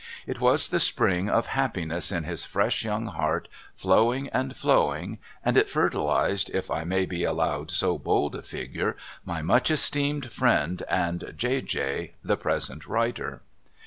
It was the spring of happiness in his fresh young heart flowing and flowing, and it fertilised (if I may be allowed so bold a figure) my much esteemed friend, and J. J. the present writer.